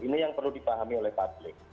ini yang perlu dipahami oleh publik